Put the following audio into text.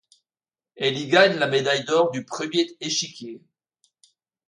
Elle y gagne la médaille d'or du premier échiquier.